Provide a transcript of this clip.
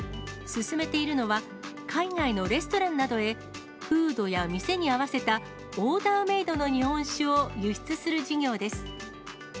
進めているのは、海外のレストランなどへ、風土や店に合わせたオーダーメードの日本酒を輸出する事業です。